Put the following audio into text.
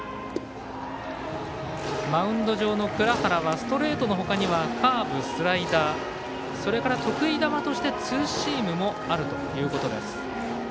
マウンド上の藏原はストレートのほかにはカーブ、スライダーそれから得意球としてツーシームもあるということです。